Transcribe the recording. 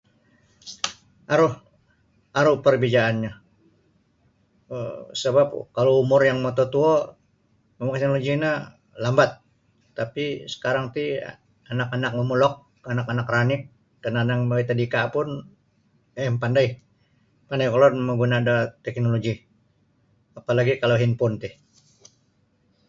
Aru aru perbizaannyo um sabap kalau umur yang mototuo [unintelligible] lambat tapi sekarang ti anak-anak momulok anak-anak ranik dan kadang anak tadika pun ey mapandai pandai kolod mamaguna da teknoloji apalagi kalau henpon ti